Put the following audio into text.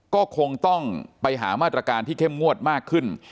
ก็คงต้องไปหามาตรการที่เข้มงวดมากขึ้น